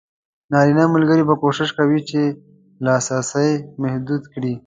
نارینه ملګري به کوښښ کوي چې لاسرسی محدود کړي.